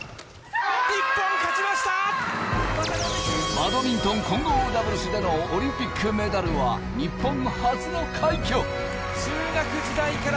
バドミントン混合ダブルスでのオリンピックメダルは日本初の快挙！